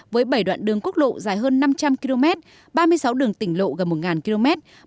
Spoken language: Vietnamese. với bảy đoạn đường quốc lộ dài hơn năm trăm linh km ba mươi sáu đường tỉnh lộ gần một km